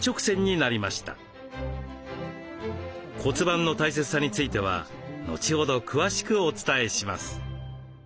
骨盤の大切さについては後ほど詳しくお伝えします。